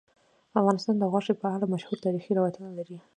افغانستان د غوښې په اړه مشهور تاریخی روایتونه لري.